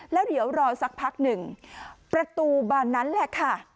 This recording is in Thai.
แล้วเดี๋ยวรอสักพักหนึ่งประตูบานนั้นแหละค่ะ